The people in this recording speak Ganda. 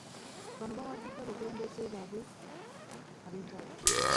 Bano bawagiddwa abakulembeze baabwe ab'enjawulo